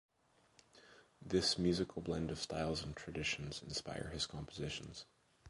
This musical blend of styles and traditions inspire his compositions.